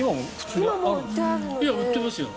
売ってますよ。